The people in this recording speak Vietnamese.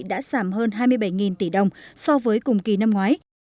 đã giảm hơn hai mươi bảy tỷ đồng so với cùng kỳ năm ngoái